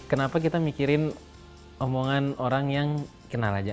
kenapa kita mikirin omongan orang yang kenal aja